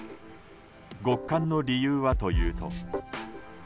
極寒の理由はというと。